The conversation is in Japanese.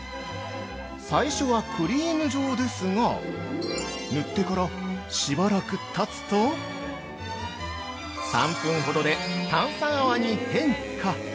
最初はクリーム状ですが、塗ってから、しばらくたつと３分ほどで炭酸泡に変化。